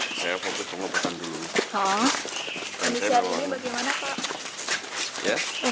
iya fokus untuk pengobatan